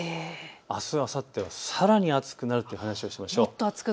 あす、あさってはさらに暑くなるという話をしましょう。